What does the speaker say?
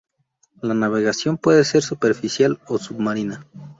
La navegación puede ser superficial o submarina.